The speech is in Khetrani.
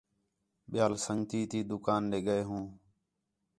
ٻِیال سنڳتی تی دُکان دے ڳئے ہوں